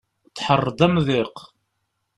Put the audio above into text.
Tḥerr-d amḍiq.